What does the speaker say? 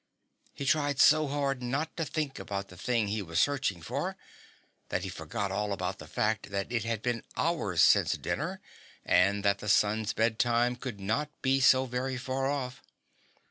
He tried so hard not to think about the thing he was searching for that he forgot all about the fact that it had been hours since dinner and that the sun's bedtime could not be so very far off.